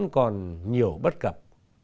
còn nhiều bất cập